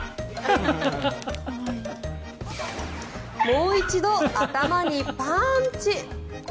もう一度頭にパンチ。